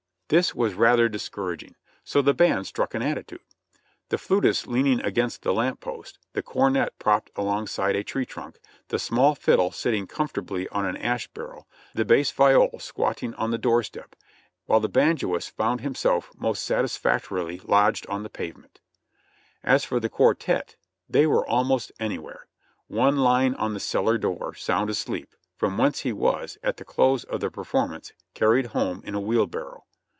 This was LIFE IN THE BARRACKS 2/ rather discouraging, so the band struck an attitude; the flutist leaning against the lamp post, the cornet propped alongside a tree trunk, the small fiddle sitting comfortably on an ash barrel, the bass viol squatting on the doorstep, while the banjoist found himself most satisfactorily lodged on the pavement. As for the quartette, they were almost anywhere; one lying on the cellar door, sound asleep, from whence he was, at the close of the per formance, carried home in a wheelbarrow.